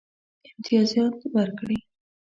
امتیازات ورکړي.